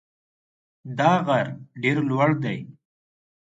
دا غر ډېر لوړ دی.